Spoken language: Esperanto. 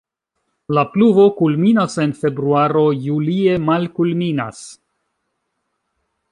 La pluvo kulminas en februaro, julie malkulminas.